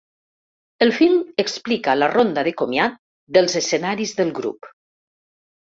El film explica la ronda de comiat dels escenaris del grup.